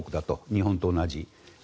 日本と同じ。